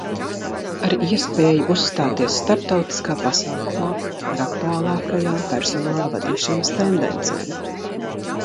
Ar iespēju uzstāties starptautiskā pasākumā par aktuālākajām personāla vadīšanas tendencēm.